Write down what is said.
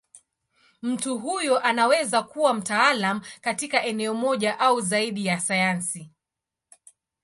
Mtu huyo anaweza kuwa mtaalamu katika eneo moja au zaidi ya sayansi.